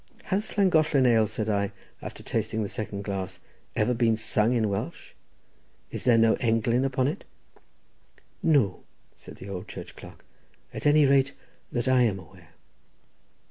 "Has Llangollen ale," said I, after tasting the second glass, "ever been sung in Welsh? is there no englyn upon it?" "No," said the old church clerk, "at any rate, that I am aware."